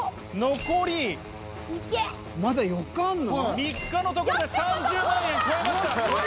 ３日のところで３０万円超えました。